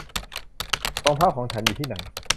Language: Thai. รองเท้าของฉันอยู่ที่ไหน